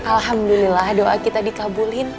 alhamdulillah doa kita dikabulin